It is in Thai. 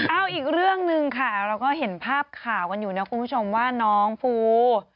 เอออีกเรื่องนึงค่ะแล้วก็เห็นภาพข่าววันนี้นะคุณพี่ผู้ชมว่าน้องฟู